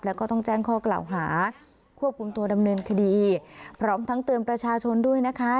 แล้วก็ต้องแจ้งข้อกล่าวหาควบคุมตัวดำเนินคดีพร้อมทั้งเตือนประชาชนด้วยนะคะ